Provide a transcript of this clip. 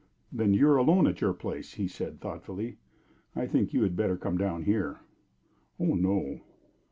"Then you are alone at your place," he said, thoughtfully. "I think you had better come down here." "Oh no!"